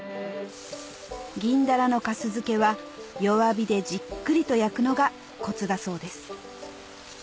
銀ダラの粕漬けは弱火でじっくりと焼くのがコツだそうです